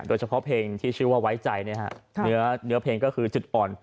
โดยเฉพาะเพลงที่ชื่อว่าไว้ใจเนื้อเพลงก็คือจุดอ่อน